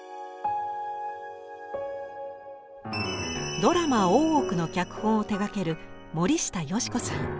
ドラマ「大奥」の脚本を手がける森下佳子さん。